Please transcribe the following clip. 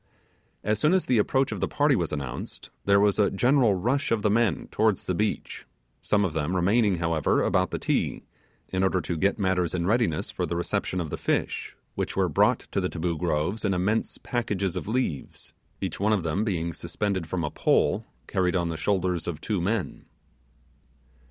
As soon as the approach of the party was announced, there was a general rush of the men towards the beach; some of them remaining, however, about the Ti in order to get matters in readiness for the reception of the fish, which were brought to the Taboo Groves in immense packages of leaves, each one of them being suspended from a pole carried on the shoulders of two men.